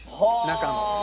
中の。